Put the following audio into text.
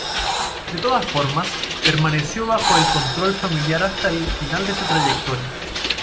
De todas formas, permaneció bajo el control familiar hasta el final de su trayectoria.